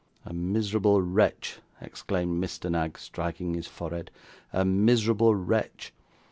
'A miserable wretch,' exclaimed Mr. Knag, striking his forehead. 'A miserable wretch.